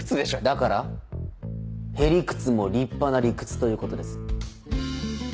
だからヘリクツも立派な理屈ということです。